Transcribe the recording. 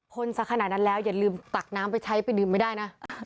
สักขนาดนั้นแล้วอย่าลืมตักน้ำไปใช้ไปดื่มไม่ได้นะ